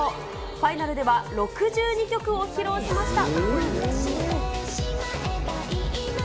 ファイナルでは６２曲を披露しました。